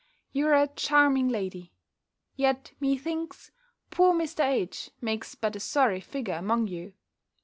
you're a charming lady! Yet, methinks, poor Mr. H. makes but a sorry figure among you.